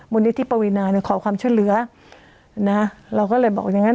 นิธิปวีนาเนี่ยขอความช่วยเหลือนะเราก็เลยบอกอย่างงั้น